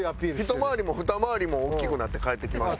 ひと回りもふた回りも大きくなって帰ってきましたから。